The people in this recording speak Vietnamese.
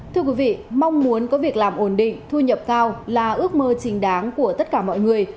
thưa quý vị mong muốn có việc làm ổn định thu nhập cao là ước mơ trình đáng của tất cả mọi người